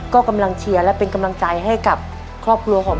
ก็กำลังเชียร์และเป็นกำลังใจให้กับครอบครัวของ